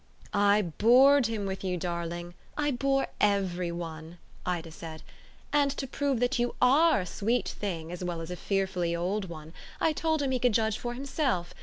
"I bored him with you, darling I bore every one," Ida said, "and to prove that you ARE a sweet thing, as well as a fearfully old one, I told him he could judge for himself.